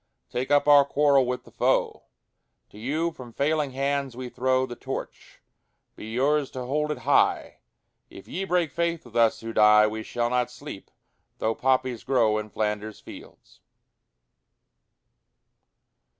Take up our quarrel with the foe: To you from failing hands we throw The Torch: be yours to hold it high! If ye break faith with us who die We shall not sleep, though poppies grow In Flanders fields.